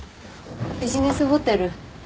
ビジネスホテル。